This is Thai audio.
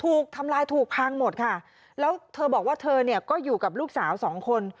ถูกทำลายถูกพังหมดค่ะแล้วเธอบอกว่าเธอเนี่ยก็อยู่กับลูกสาวสองคน